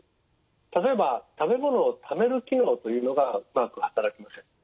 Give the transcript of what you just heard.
例えば食べ物をためる機能というのがうまくはたらきません。